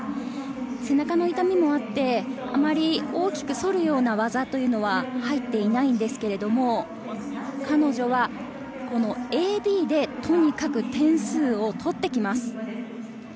背中の痛みもあって、あまり大きく反るような技は入っていないのですけれども、彼女はＡＤでとにかく点数を取ってきます。